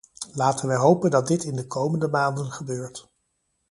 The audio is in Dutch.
Laten wij hopen dat dit in de komende maanden gebeurt.